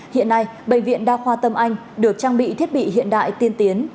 hiện nay bệnh viện đa khoa tâm anh được trang bị thiết bị hiện đại tiên tiến